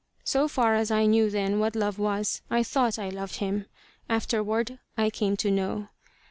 So far as I knew then what love was, I thought I loved him. Afterward, I came to know.